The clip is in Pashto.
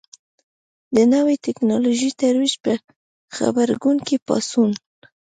د نوې ټکنالوژۍ ترویج په غبرګون کې پاڅون.